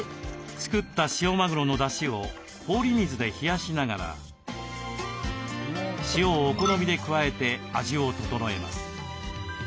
作った塩マグロの出汁を氷水で冷やしながら塩をお好みで加えて味を調えます。